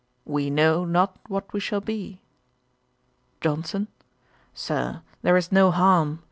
"We know not what we shall be."' JOHNSON. 'Sir, there is no harm.